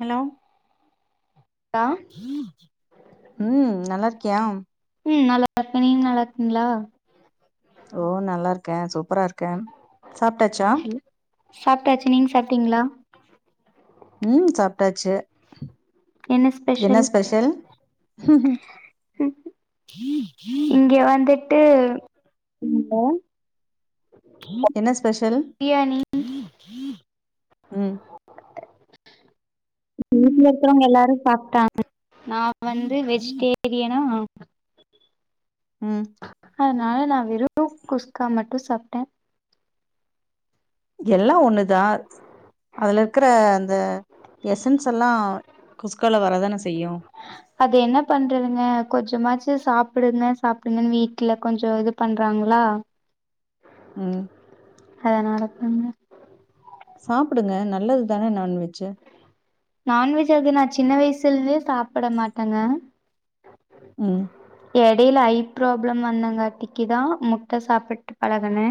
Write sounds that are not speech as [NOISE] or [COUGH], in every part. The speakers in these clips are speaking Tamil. ஹலோ [UNINTELLIGIBLE] ம் நல்லா இருக்கியா ம் நல்லா இருக்கே நீங்க நல்லா இருக்கீங்ளா ஓ நல்லா இருக்கே சூப்பரா இருக்கே சாப்டாச்சா ஹலோ சாப்டாச் நீங்க சாப்டீங்ளா ம் சாப்டாச்சி என்ன ஸ்பெஷல் ம் இங்க வந்துட்டு ஹலோ என்ன ஸ்பெஷல் பிரியாணி ம் வீட்ல இருக்கறவங்க எல்லாரு சாப்டாங்க நா வந்து வெஜிடேரியனா ம் அதனால நா வெறு குஸ்கா மட்டு சாப்டே எல்லாம் ஒன்னுதா அதுல இருக்குற அந்த எசன்ஸ் எல்லா குஸ்கால வரதானே செய்யு அது என்ன பண்றதுங்க கொஞ்சமாச்சி சாப்புடுங்க சாப்புடுங்கன்னு வீட்ல கொஞ்சோ இது பண்றாங்ளா ம் அதனாலதாங்க சாப்புடுங்க நல்லது தானே நான் வெஜி நான்வெஜ் அது நா சின்ன வயசுல இருந்தே சாப்புட மாட்டேங்க ம் எடையில ஐ ப்ராப்ளம் வந்தங்காட்டிக்கு தா முட்ட சாப்புட்டு பழகுன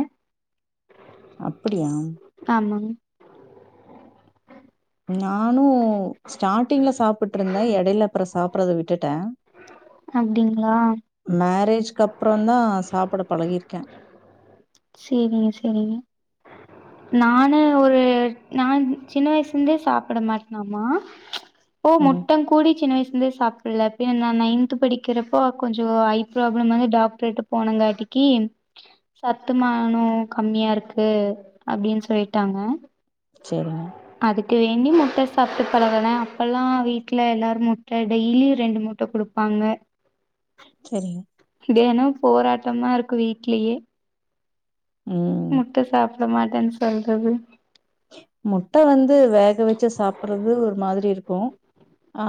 அப்புடியா ஆமாங் நானு ஸ்டார்டிங்ல சாப்டுட்டு இருந்தே எடையில அப்றோ சாப்புட்றத விட்டுட்டே அப்டிங்ளா மேரேஜ்க்கு அப்புறம் தா சாப்ட பழகிருக்கே சேரிங்க சேரிங்க நானு ஒரு நா சின்ன வயசுலேந்தே சாப்ட மாட்டேனாமா ஓ ம் முட்ட கூடிய சின்ன வயசுலேந்து சாப் ட்ல்ல நா நைன்த்து படிக்கிறப்போ கொஞ்சோ ஐ ப்ராப்ளம் வந்து டாக்டரு கிட்ட போனாங்காட்டிக்கி சத்துமானோ கம்மியா இருக்கு அப்டின்னு சொல்லிட்டாங்க சேரிங்க அதுக்கு வேண்டி முட்ட சாப்புட்டு பழகுன அப்பெல்லா வீட்ல எல்லாரு முட்ட டெய்லி ரெண்டு முட்ட குடுப் பாங்க செரிங்க இது ஏனோ போராட்டமா இருக்கு வீட்லயே ம் முட்ட சாப்ட மாட்டேன்னு செல்றது முட்ட வந்து வேக வெச்சி சாப்புட்றது ஒரு மாதிரி இருக்கு ஆ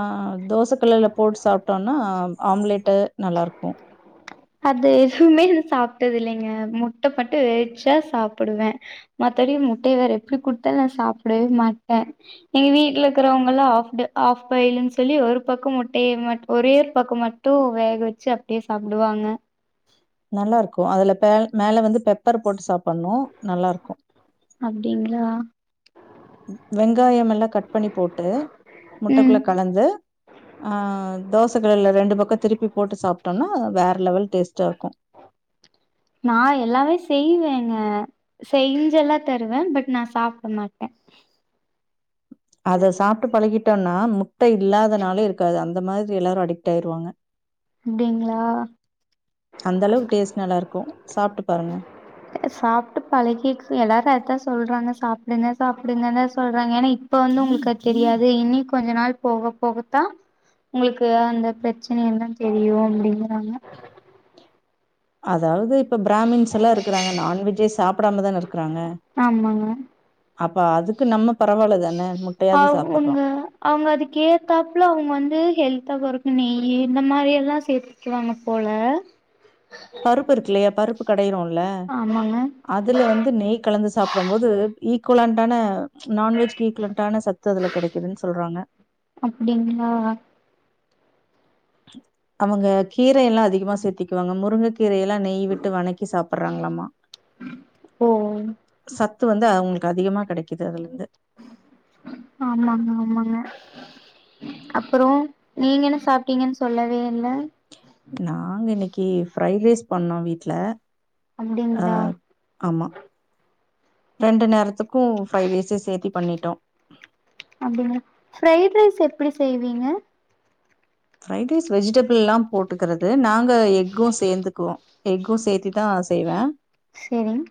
தோசக்கல்லுல போட்டு சாப்டோனா ஆம்லேட்டு நல்லாருக்கு அது எப்பவுமே நா சாப்டது இல்லைங்க முட்ட மட்டு வெக வேச்சா சாப்டுவே மத்தபடி முட்டய வேற எப்டி குடுத்தாலு நா சாப்டவே மாட்டே எங்க வீட்ல இருக்கிறவங்கல்லாம் ஆஃபடு ஆஃப் பாய்ல்னு சொல்லி ஒரு பக்கோ முட்டைய மட் ஒரே ஒரு பக்கோ மட் டு வேக வச்சு அப்டியே சாப்டுவாங்க நல்லாருக்கு அதுல பேல மேல வந்து பெப்பர் போட்டு சாப்டணு நல்லாருக்கு அப்டிங்களா வெங்காயமெல்லா கட் பண்ணி போட்டு ம் முட்டக்குள்ள கலந்து ஆ தோசைகள்ல ரெண்டு பக்கோ திருப்பி போட்டு சாப்ட்டோம்னா வேற லெவல் டேஸ்ட்டாருக்கு நா எல்லாமே செய்வேங்க செய்ஞ்செல்லா தருவே பட் நா சாப்டமாட்டே அத சாப்ட்டு பழகிட்டோம்னா முட்ட இல்லாத நாளே இருக்காது அந்த மாரி எல்லாரு அடிக்ட் ஆயிருவாங்க அப்டிங்களா அந்த அளவுக்கு டேஸ்ட் நல்லாருக்கு சாப்ட்டு பாருங்க சாப்ட்டு பழகிக் எல்லாரு அதத்தா சொல்றாங்க சாப்டுங்க சாப்டுங்கங்க சொல்றாங்க ஏன்னாப் இப்ப வந்து உங்களுக்கு அது தெரியாது இனி கொஞ்ச நாள் போக போகத்தா உங்களுக்கு அந்த ப்ரச்சனை எல்லா தெரியு அப்டிகிறாங்க அதாவ்து இப்ப பிராமின்ஸ் எல்லா இருக்குறாங்க நான்வெஜ்ஜே சாப்டாமதான இருக்குறாங்க ஆமாங்க அப்ப அதுக்கு நம்ம பரவால்ல தான முட்டையாவது சாப்புட்றோ அவுங்க அதுக்கு ஏத்தாப்புல அவுங்க வந்து ஹெல்த்தா போறக்கு நெய் இந்த மாரி எல்லா சேத் க்குவாங்க போல பருப்பு இருக்குல்லையா பருப்பு கடையிறோம்ல்ல ஆமாங்க அதுல வந்து நெய் கலந்து சாப் படும் போது ஈக்குவலண்டான நான்வெஜ்கு ஈக்குலண்டான சத்து அதுல கெடக்குதுன்னு சொல்றாங்க அப்டிங்களா அவுங்க கீர எல்லா அதிகமா சேத்திகுவாங்க முருங்க கீரையெல்லா நெய் விட்டு வணக்கி சாப்டுறாங்களாமா ஓ சத் து வந்து அவுங்களுக்கு அதிகமா கெடக்கிது அதுலருந்து ஆமாங்க ஆமாங்க அப்றோ நீங்க என்ன சாப்டிங்கனு சொல்லவே இல்ல நாங்க இன்னக்கி ஃப்ரைட் ரைஸ் பண்ணோ வீட்ல அ அப்டிங்களா ஆமா ரெண்டு நேரத்துக்கு ஃப்ரைட் ரைஸே சேத்தி பண்ணிட்டோ அப்டிங்களா ஃப்ரைட் ரைஸ் எப்டி செய்வீங்க ஃப்ரைட் ரைஸ் வெஜிடபிள் ல்லா போட்டுக்கறது நாங்க எக்கு சேந்துக்குவோ எக்கு சேத்திதா செய்வே சேரிங்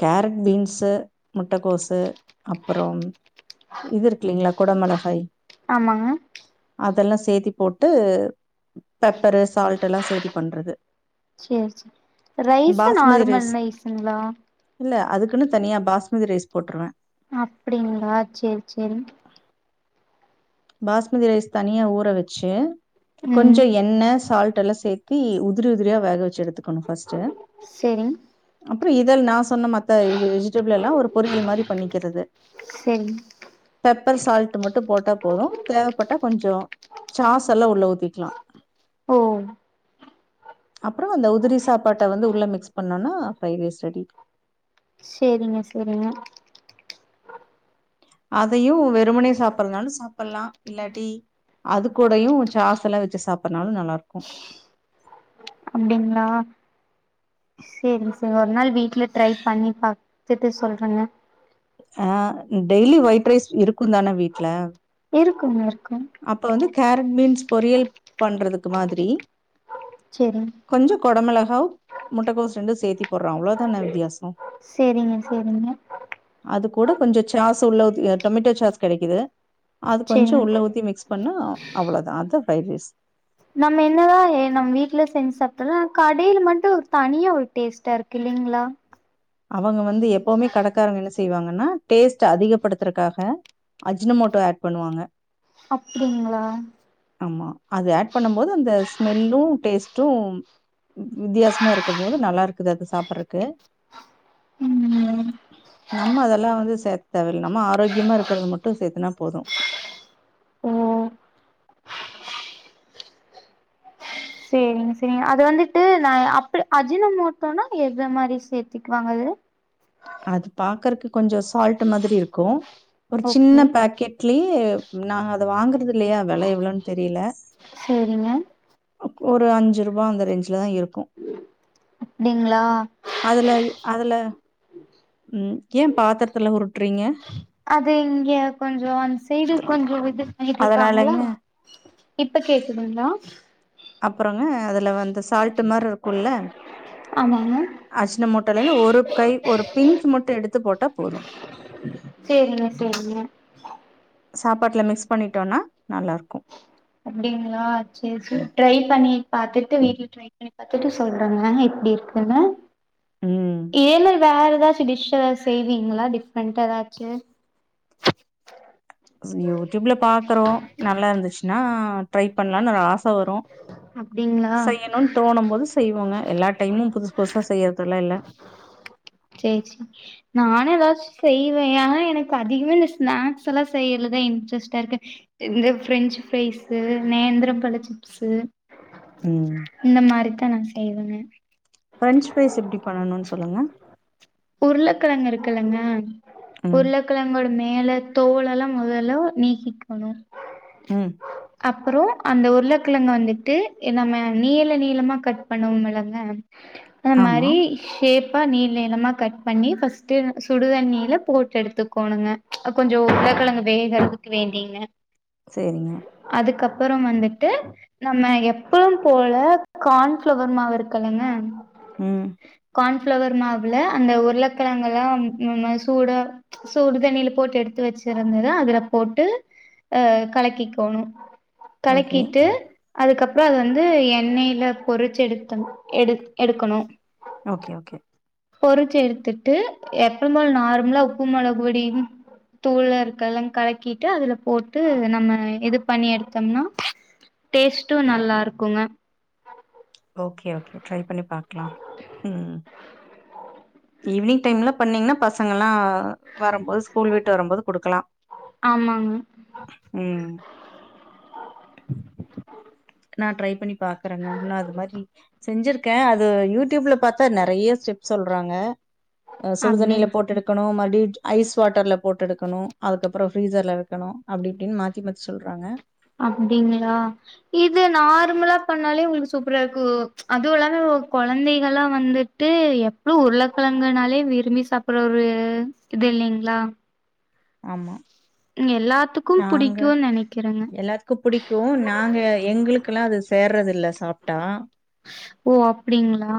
கேரட் பீன்ஸு முட்டக்கோசு அப்ப றம் இது இருக்குல்லீங்களா கொட மிளகாய் ஆமா அதெல்லா சேத்தி போட்டு பெப்பரு சால்டெல்லா சேத்தி பண்றது செர் செரி ரைஸ்ஸு பாஸ்மதி நார்மல் ரைஸ் ரைஸுங்களா இல்ல அதுக்குன்னு தனியா பாஸ்மதி ரைஸ் போட்டுருவே அப்டிங்களா சேர் சேரி பாஸ்மதி ரைஸ் தனியா ஊற வச்சு ம் கொஞ்சோ எண்ண சால்ட் எல்லா சேத் தி உதிரி உதிரியா வேக வச்சு எடுத்துக்கணு ஃபஸ்ட்டு செரி அப்புறோ இதெல் நா சொன்ன மத் த வெஜிடபிள் எல்லா ஒரு பொரியல் மாரி பண்ண்க்கிறது சேரிங் பெப்பர் சால்ட் மட்டு போட்டா போரு தேவப்பட்டா கொஞ்சோ சாஸ் எல்லா உள்ள ஊத்திக்கலா ஓ அப்புறோ அந்த உதிர சாப்பாட்ட வந்து உள்ள மிக்ஸ் பண்ணோனா ஃப்ரைடு ரைஸ் ரெடி சேரிங்க சேரிங்க அதையு வெறுமனே சாப்பிடுனாலு சாப்பிட்லா இல்லாட்டி அது கூடையு சாஸ் எல்லா வச்சு சாப்பிடறனாலு நல்லா இருக்கு அப்டிங்களா சேரிங்க சார் நாள் வீட்டுல ட்ரை பண்ணி பார்த்துட்டு சொல்றங்க ஆ டெய்லி ஒயிட் ரைஸ் இருக்குந்தான வீட்டு்ல இருக்குங்க இருக்கு அப்ப வந்து கேரட் பீன்ஸ் பொரியல் பண்றதுக்கு மாதிரி செரிங் கொஞ்சோ கொட மொளகாவ் முட்டைக்கோசு ரெண்டு சேத்தி போடுறோ அவ்வளோதான வித்தியாசோ சேரிங்க சேரிங்க அது கூட கொஞ்சோ சாஸு உள்ள ஊத்தி டொமேட்டோ சாஸ் கெடைக்குது அது கொஞ்சோ சேரிங் உள்ள ஊத்தி மிக்ஸ் பண்ணா அவ்ளோதா அதா ஃப்ரைட் ரைஸ் நம்ம என்னதா ஏ நம்ம வீட்ல செஞ்சு சாப்ட்டாலு கடையில மட்டு ஒரு தனியா ஒரு டேஸ்ட்டா இருக்கு இல்லீங்களா அவங்க வந்து எப்பவுமே கடைக்காருங்க என்ன தெய்வாங்கன்னா டேஸ்ட் அதிகப்படுத்துறக்காக அஜினமோட்டோ ஆட் பண்ணுவாங்க அப்டிங்களா ஆமா அது ஆட் பண்ணு போது அந்த ஸ்மெல்லு டேஸ்ட்டு வித்தியாசமா இருக்கு போது நல்லா இருக்குது அது சாப்பிடுறதுக்கு ம்மா நம்ம அதெல்லா வந்து சேர்த்த தேவல்ல நம்ம ஆரோக்கியமா இருக்கருறது மட்டு சேர்த்துனா போது உம் சேரிங்க சேரிங்க அது வந்துட்டு நா அப்புல அஜினமோட்டோனா எத மாதிரி சேர்த்திக்குவாங்க அதுல ஆஹ் அது பாக்கறதுக்கு கொஞ்சோ சால்ட் மாதிரி இருக்கு ஒரு சின்ன ஓகே பேக்கெட் லியே நாங்க அத வாங்கறது இல்லையா விலை எவ்வளவுனு தெரியல சேரிங்க அப் ஒரு அஞ்சு ருபா அந்த ரேஞ்ச்ல தா இருக்கு அப்டிங்களா அதுல வை அதுல ம் ஏன் பாத்திரத்துல உருட்டுறீங்க அது இங்க கொஞ்சோ அந்த சைடு கொஞ்சோ இது பண்ணிட்டு இருக்காங்களா அதனாலங்க. இப்ப கேக்குதுங்களா அப்பறங்க வந்து சால்ட்டு மாரி இருக்கும்ல ஆமாங்க அஜினமோட்டோல இருந்து ஒரு கை ஒரு பிஞ்ச் மட்டு எடுத்து போட்டா போது சேரிங்க சேரிங்க சாப்பாட்டுல மிக்ஸ் பண்ணிட்டோனா நல்லருக்கு அப்டிங்களா சேரி சேரி ட்ரை பண்ணி பாத்துட்டு வீட்டுல ட்ரை பண்ணி பாத்துட்டு சொல்றேங்க எப்டி இருக்குனு ம் ஏல வேற எதாச்சு டிஷ்ஷீ எதாது செய்வீங்களா டிஃப்ரெண்ட்டா எதாச்சு யூடியூப்ல பாக்குறோ நல்லா இருந்துச்சுனா ட்ரை பண்ணலானு ஒரு ஆச வரு அப்டிங்களா செய்யணு தோணும் போது செய்வோங்க எல்லா டைமும் புது புதுசா செய்யறதெல்லா இல்ல சேரி சேரி நானு எதாச் செய்வே ஆனா எனக்கு அதிகமா இந்த ஸ்நாக்ஸ் எல்லா செய்யுறதுல இன்ட்ரெஸ்ட்டா இருக்கு இந்த பிரெஞ்சு ஃப்ரைஸு நேந்திர பழ சிப்ஸு ம் இந்த மாரிதா நா செய்வேங்க பிரெஞ்ச் ஃப்ரைஸ் எப்டி பண்ணணுன் சொல்லுங்க உருளக்கெழங்க இருக்குல்லங்க ம் உருள கெழங்கோட மேல தோலெல்லா மொதல்ல நீக்கிக்கோணு ம் அப்றோ அந்த உருளக்கெழங்க வந்துட்டு எ நாம நீள நீளமா கட் பண்ணுவமில்லங்க ஆமா அந்மாரி ஷேப்பா நீள் நீளமா கட் பண்ணி ஃபஸ்ட்டு சுடுதண்ணியில போட்டு எடுத்துக்கோணுங்க கொஞ்சோ உருள கெழங்கு வேகறத்துக் கு வேண்டீங்க சேரிங்க அதுக்கப்பறோ வந்துட்டு நம்ம எப்பம் போல கான்ஃபிளவர் மாவு இருக்கல்லங்க ம் கான்ஃபிளவர் மாவுல அந்த உருளக்கெழங்க எல்லாம் ம ம சூட சூடு தண்ணில போட்டு எடுத்து வெச்சிருந்தத அதுல போட்டு ஆ கலக்கிக்கோணு ஓகே கலக்கீட்டு அதுக்கப்றோ அது வந்து எண்ணெயில பொறிச்சு எடுத்தனு எடு எடுக்கணு ஓகே ஓகே பொறிச்சு எடுத்துட்டு எப்பம்போல நார்மலா உப்பும் மெளகு பொடியும் தூள இருக்கல்லா கலக்கிட்டு அதுல போட்டு நம்ம இது பண்ணி எடுத்தம்னா டேஸ்ட்டு நல்லா இருக்குங்க ஓகே ஓகே ட்ரை பண்ணி பாக்லா ம் ஈவினிங் டைம்ல பண்ணீங்ன்னா பசங்கல்லா வரும்போது ஸ்கூல் விட்டு வரும்போது குடுக்கலா ஆமாங்க ம் நா ட்ரை பண்ணி பாக்கறங்க இன்னு அதுமாரி செஞ்சிருக்கே அது யூடியூப்ல பாத்தா நெறையா ஸ்டெப் சொல்றாங்க ஆ சுடுதண்ணில அப்டிங் போட்டு எடுக்கணு மாறுப்டி ஐஸ் வாட்டர்ல போட்டு எடுக்கணு அதுக்கப்றோ ஃப்ரீசர்ல வெக்கணு அப்டி இப்டின் மாத்தி மாத்தி சொல்றாங்க அப்டிங்ளா இது நார்மலா பண்ணாலே உங்களுக்கு சூப்பரா இருக்கு அதுவு இல்லாம கொழந்தைகலா வந்து ட்டு எப்ளு உருளக்கெழங்குனாலே விரும்பி சாப்பிட்ற ஒரு இது இல்லைங்ளா ஆமா எல்லாத்துக்கு புடிக்கு நெனைக்கிறங்க க்கு புடிக்கு நாங்க எங்களுகெல்லா அது சேர்றது இல்ல சாப்ட்டா ஓ அப்டிங்ளா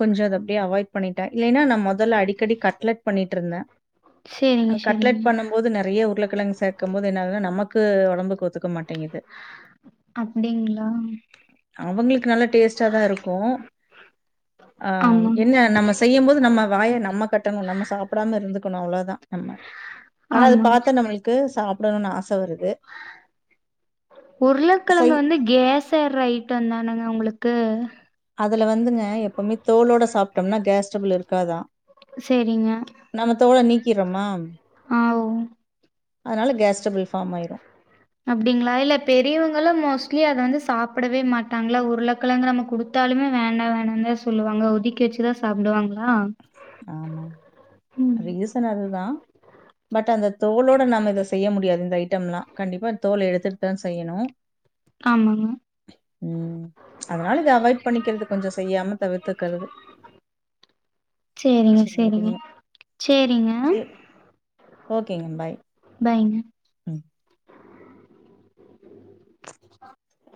கொஞ்ச அத அப்டியே அவாய்ட் பண்ணிட்டே இல்லைன்னா நா மொதல்ல அடிக்கடி கட்லட் பண்ணிட்ருந்தே சேரிங்க கட்லட் சேரிங்க பண்ணும் போது நெறையா உருளக்கெழங்கு சேக்கம் போது என்ன ஆகுதுன்னா நமக்கு ஒடம்புக்கு ஒத்துக்க மாட்டிங்குது அப்டிங்ளா அவுங்களுக்கு நல்லா டேஸ்ட்டா தா இருக்கு ஆஹ ஆ என்ன நம்ம செய்யும்போது நம்ம வாய நம்ம கட்டணு நம்ம சாப்டாம இருந்துக்கணு அவ்ளதா ஆமா ஆனா அது ஆமாங்க பாத்த நம்மளுக்கு சாப்டணுன் ஆச வருது உருளக்கெழங்கு செய் வந்து கேஸ் த்தர் ரைட்டந்தானங்க உங்களுக்கு அதுல வந்துங்க எப்பவுமே தோளோட சாப்ட்டம்னா கேஸ் ஸ்ட்ரபள் இருக்காதா செரிங்க நம்ம தோள நீக்கிறோமா ஓ அதனால கேஸ்ட்ரபிள் ஃபார்ம் ஆயிரும் அப்டிங்ளா இல்ல பெரியவங்களாம் மோஸ்ட்லி அத வந்து சாப்படவே மாட்டாங்ளா உருளக்கலங்க நம்ம குடுத் த்தாலுமே வேண்டா வேணான் தா சொல்லுவாங்க ஒதிக்கி வச்சுதா சாப்டுவாங்களா ஆமா ரீசன் அதுதா பட் அந்த தோலோட நாம இத செய்ய முடியாது இந்த ஐட்டம்ல்லா கண்டிப்பா தோல் எடுத்துட்டு தா செய்யணு ஆமாங்க ம் அதனால இத அவாய்ட் பண்ணிக்கிறது கொஞ்சொ செய்யாம தவிர்த்துக்கறது சேரிங்க சேரிங்க சரிங்க. சேரிங்க சரி. ஓகேங்க பாய் பாய்ங்க ம்